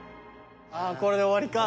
これで終わりか。